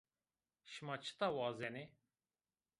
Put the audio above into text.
Şima çita wazenê?